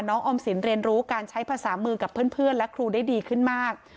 ออมสินเรียนรู้การใช้ภาษามือกับเพื่อนและครูได้ดีขึ้นมาก